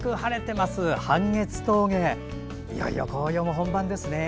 いよいよ紅葉も本番ですね。